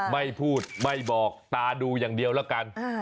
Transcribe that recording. ไม่พูดไม่บอกตาดูอย่างเดียวแล้วกัน